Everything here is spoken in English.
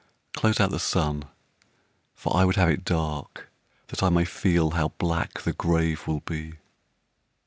Close out the sun, for I would have it dark That I may feel how black the grave will be.